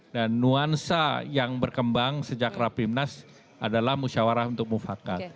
dan nuansa yang berkembang sejak rapimnas adalah musyawarah untuk mufakat